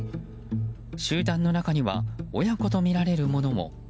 集団の中には親子とみられるものも。